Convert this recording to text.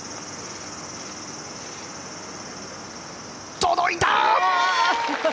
届いた！